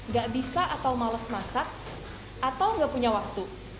gak bisa atau males masak atau nggak punya waktu